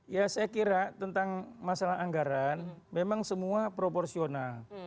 ya saya kira tentang masalah anggaran memang semua proporsional